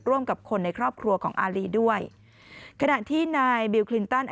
ร่วมกับคนในครอบครัวของอารีด้วยขณะที่นายบิลคลินตัน